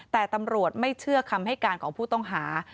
แต่ตำรวจไม่เชื่อคำให้การของผู้ต้องหา